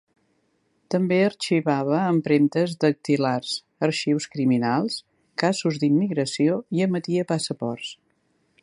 També arxivava empremtes dactilars, arxius criminals, casos d'immigració i emetia passaports.